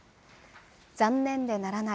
残念でならない。